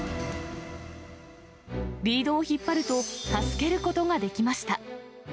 リードを引っ張ると、助けることができました。